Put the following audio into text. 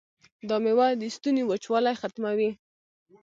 دا میوه د ستوني وچوالی ختموي.